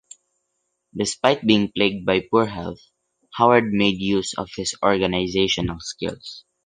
Despite being plagued by poor health, Howard made use of her organisational skills.